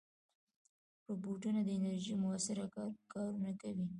روبوټونه د انرژۍ مؤثره کارونه کوي.